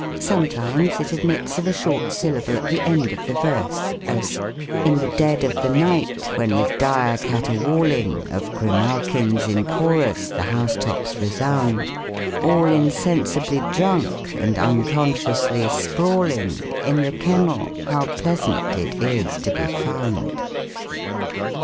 Sometimes it admits of a short syllable at the end of the verse: as, In the dead of the night, when with dire caterwauling Of grimalkins in chorus the house tops resound : All insensibly drunk, and unconsciously sprawling In the kennel, how pleasant it is to be found